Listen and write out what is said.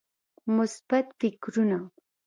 مثبت فکرونه